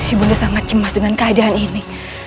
ibunda sangat cemas dengan keadaan ini